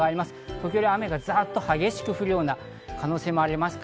時折雨がザッと激しく降るような可能性もあります。